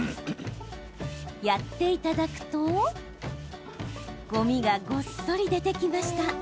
やっていただくとごみが、ごっそり出てきました。